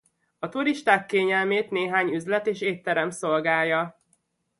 A turisták kényelmét néhány üzlet és étterem szolgálja.